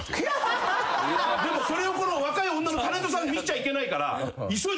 でもそれを若い女のタレントさんに見せちゃいけないから急いで隠して。